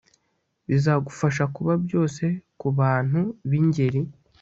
bizagufasha kuba byose ku bantu b ingeri